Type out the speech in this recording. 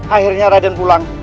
akhirnya raden pulang